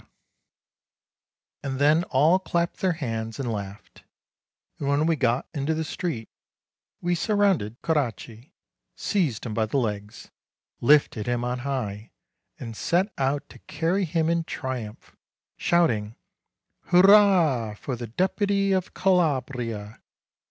1 78 MARCH And then all clapped their hands and laughed; and when we got into the street, we surrounded Coraci, seized him by the legs, lifted him on high, and set out to carry him in triumph, shouting, "Hurrah for the Deputy of Calabria!"